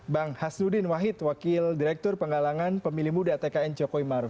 bang hasdudin wahid wakil direktur penggalangan pemilih muda tkn jokowi maruf